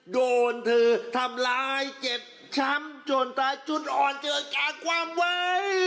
โดนเธอทำร้ายเจ็บช้ำจนตายจุดอ่อนเกิดการความไว้